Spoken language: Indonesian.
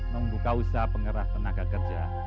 nunggu kausa pengerah tenaga kerja